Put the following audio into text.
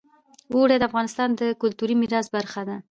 اوړي د افغانستان د کلتوري میراث برخه ده.